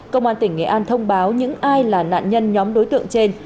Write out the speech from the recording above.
công an tỉnh nghệ an thông báo những ai là nạn nhân nhóm đối tượng trên